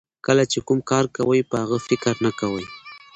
کله چې کوم کار کوئ په هغه فکر نه کوئ.